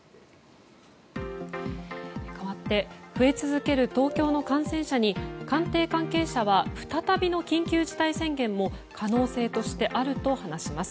かわって増え続ける東京の感染者に官邸関係者は再びの緊急事態宣言も可能性としてあると話します。